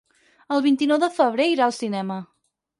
El vint-i-nou de febrer irà al cinema.